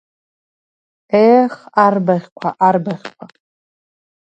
Еех, арбаӷьқәа, арбаӷьқәа…